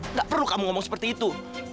nggak perlu kamu ngomong seperti itu